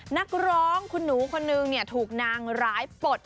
นักร้องคุณหนูคนนึงถูกนางร้ายปลด